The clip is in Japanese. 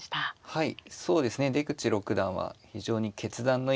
はい。